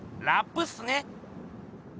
ラップっすね。